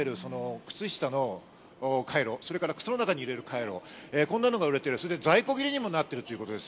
靴下のカイロ、靴の中に入れるカイロ、こんなのが売れている、在庫切れにもなっているということです。